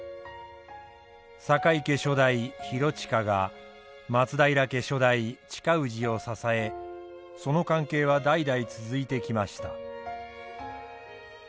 酒井家初代広親が松平家初代親氏を支えその関係は代々続いてきました。